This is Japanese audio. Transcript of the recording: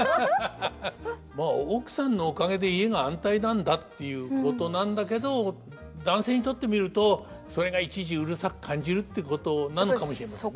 まあ奥さんのおかげで家が安泰なんだっていうことなんだけど男性にとってみるとそれがいちいちうるさく感じるってことなのかもしれませんね。